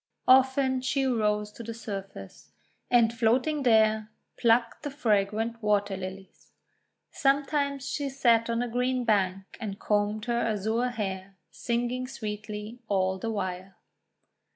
Often she rose to the surface, and floating THE WEEPING WATERS 147 there, plucked the fragrant Water lilies. Some times she sat on the green bank, and combed her azure hair, singing sweetly all the while.